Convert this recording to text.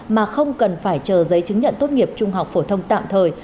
mà không cần phải chờ giấy chứng nhận tốt nghiệp trung học phổ thông tạm thời